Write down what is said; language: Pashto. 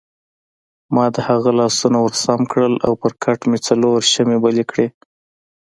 ما د هغه لاسونه ورسم کړل او پر کټ مې څلور شمعې بلې کړې.